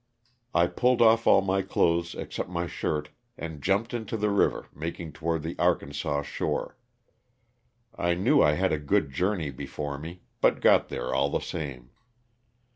I pulled off all my clothes except my shirt and jumped into the river, making toward the Arkansas shore. I knew I had a good journey before me, but got there all the same.